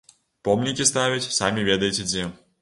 Помнікі ставяць самі ведаеце дзе.